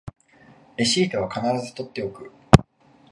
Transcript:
レシートは必ず取っておく